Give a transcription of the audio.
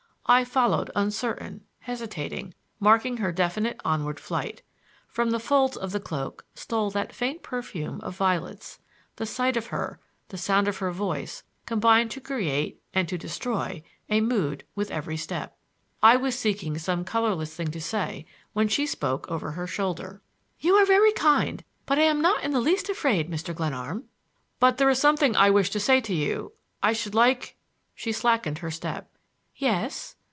I followed, uncertain, hesitating, marking her definite onward flight. From the folds of the cloak stole the faint perfume of violets. The sight of her, the sound of her voice, combined to create—and to destroy!—a mood with every step. I was seeking some colorless thing to say when she spoke over her shoulder: "You are very kind, but I am not in the least afraid, Mr. Glenarm." "But there is something I wish to say to you. I should like—" She slackened her step. "Yes."